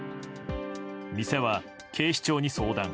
店は警視庁に相談。